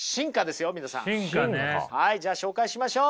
じゃあ紹介しましょう。